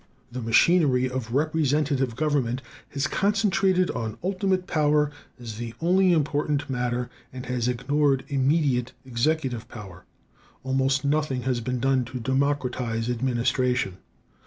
The machinery of representative government has concentrated on ultimate power as the only important matter, and has ignored immediate executive power. Almost nothing has been done to democratize administration.